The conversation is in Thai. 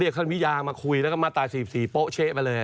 เรียกค่านวิญญาณมาคุยแล้วก็มาตายสี่โป๊ะเช๊ะไปเลย